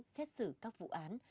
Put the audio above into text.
xét xử các vụ án